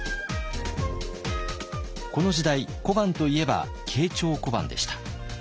この時代小判といえば慶長小判でした。